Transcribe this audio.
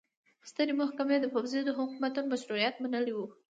سترې محکمې د پوځي حکومتونو مشروعیت منلی و.